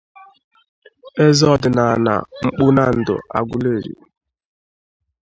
eze ọdịnala Mkpunando Aguleri